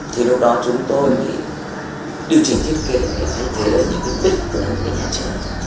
thì lúc đó chúng tôi đi điều chỉnh thiết kế để thay thế được những cái bít của những cái nhà chở